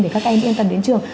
để các em yên tâm đến trường